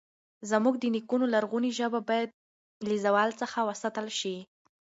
زموږ د نیکونو لرغونې ژبه باید له زوال څخه وساتل شي.